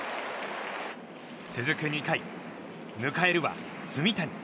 続く２回、迎えるは炭谷。